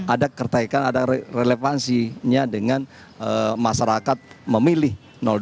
ada kertaikan ada relevansinya dengan masyarakat memilih dua